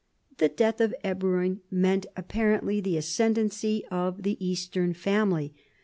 The death of Ebroin meant apparently the ascend ency of the eastern family.